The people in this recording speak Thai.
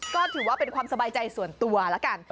ก็ถือว่าเป็นความสบายใจส่วนตัวแล้วกัน